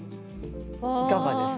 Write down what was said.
いかがですか？